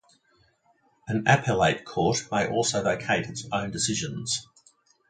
An appellate court may also vacate its own decisions.